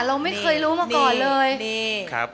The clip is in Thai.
เราเคยรู้มาก่อนเลย